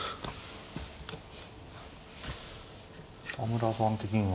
田村さん的には？